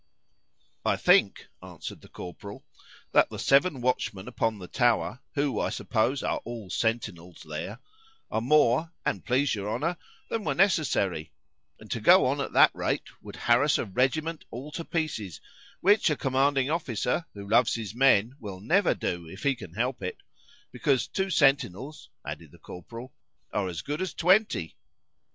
I think, answered the Corporal, that the seven watch men upon the tower, who, I suppose, are all centinels there,—are more, an' please your Honour, than were necessary;—and, to go on at that rate, would harrass a regiment all to pieces, which a commanding officer, who loves his men, will never do, if he can help it, because two centinels, added the Corporal, are as good as twenty.